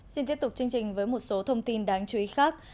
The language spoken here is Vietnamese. xin tiếp tục chương trình với một số thông tin đáng chú ý khác